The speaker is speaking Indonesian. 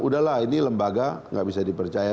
udahlah ini lembaga nggak bisa dipercaya